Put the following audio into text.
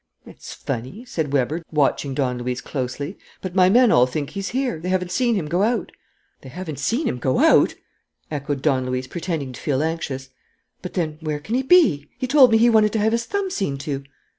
"It's funny," said Weber, watching Don Luis closely, "but my men all think he's here. They haven't seen him go out." "They haven't seen him go out?" echoed Don Luis, pretending to feel anxious. "But, then, where can he be? He told me he wanted to have his thumb seen to."